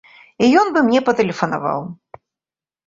І ён бы мне патэлефанаваў.